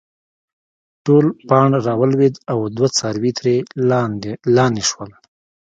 ټول پاڼ راولويد او دوه څاروي ترې لانې شول